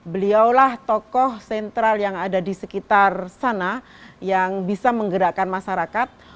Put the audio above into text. beliaulah tokoh sentral yang ada di sekitar sana yang bisa menggerakkan masyarakat